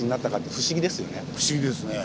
不思議ですね。